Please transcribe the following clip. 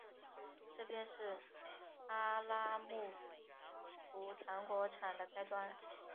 这便是阿拉木图糖果厂的开端。